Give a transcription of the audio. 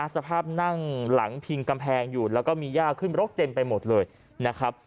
สภาพนั่งหลังพิงกำแพงอยู่แล้วก็มีย่าขึ้นรกเต็มไปหมดเลยนะครับ